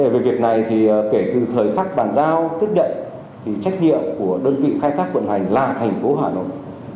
về việc này thì kể từ thời khắc bàn giao tức đậy trách nhiệm của đơn vị khai thác vận hành là thành phố hà nội